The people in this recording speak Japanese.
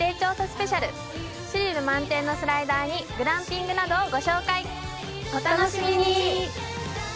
スペシャルスリル満点のスライダーにグランピングなどをご紹介お楽しみに！